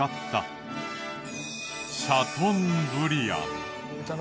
豚のシャトーブリアン。